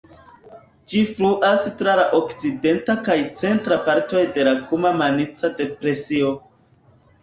Ĝi fluas tra la okcidenta kaj centra partoj de la Kuma-Maniĉa depresio.